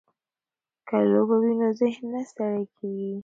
که لوبه وي نو ذهن نه ستړی کیږي.